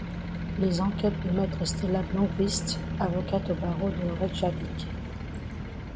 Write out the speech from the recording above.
Les enquêtes de Maître Stella Blómkvist, avocate au barreau de Reykjavik.